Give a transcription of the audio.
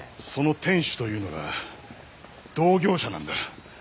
その店主というのが同業者なんだ。